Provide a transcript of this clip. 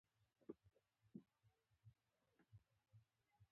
خپل پاسپورټ مه هېروه، دا ستا د پېژندنې اساس دی.